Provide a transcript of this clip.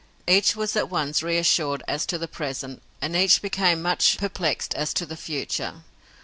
Each was at once reassured as to the present, and each became much perplexed as to the future.